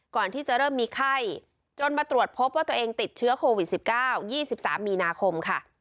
ก่อนที่จะเริ่มมีไข้จนมาตรวจพบว่าตัวเองติดเชื้อโควิด๑๙๒๓มีนาคมค่ะ